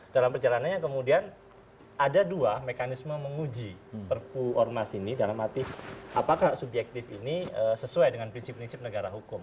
dalam perjalanannya kemudian ada dua mekanisme menguji perpu ormas ini dalam arti apakah subjektif ini sesuai dengan prinsip prinsip negara hukum